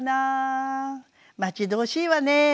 待ち遠しいわね